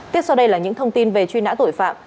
tiếp sau đây là những thông tin về truy nã tội phạm